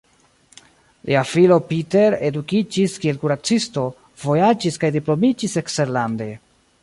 Lia filo Peter edukiĝis kiel kuracisto, vojaĝis kaj diplomiĝis eksterlande.